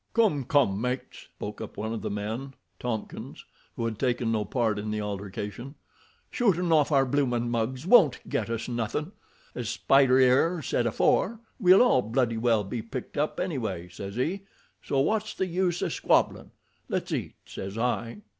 "Come, come, mates," spoke up one of the men, Tompkins, who had taken no part in the altercation, "shootin' off our bloomin' mugs won't get us nothin'. As Spider 'ere said afore, we'll all bloody well be picked up, anyway, sez 'e, so wot's the use o' squabblin'? Let's eat, sez I."